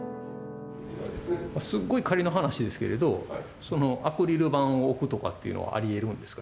すっごい仮の話ですけれどアクリル板を置くとかっていうのはありえるんですか？